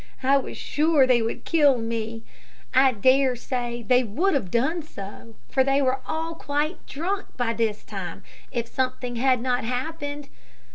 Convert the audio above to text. I was sure they would kill me. I dare say they would have done so, for they were all quite drunk by this time, if something had not happened.